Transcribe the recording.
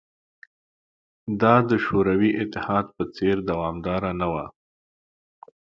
دا د شوروي اتحاد په څېر دوامداره نه وه